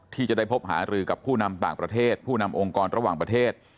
ที่จะได้พบหารือกับผู้นำต่างประเทศผู้นำองค์กรระหว่างประเทศ